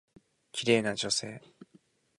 綺麗な女性。